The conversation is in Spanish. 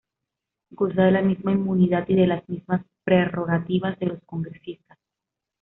Goza de la misma inmunidad y de las mismas prerrogativas de los congresistas.